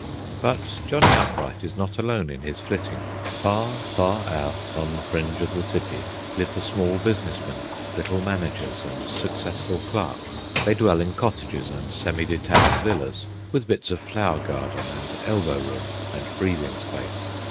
But Johnny Upright is not alone in his flitting. Far, far out, on the fringe of the city, live the small business men, little managers, and successful clerks. They dwell in cottages and semi detached villas, with bits of flower garden, and elbow room, and breathing space.